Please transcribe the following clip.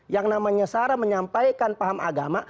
yang namanya sarah menyampaikan paham agama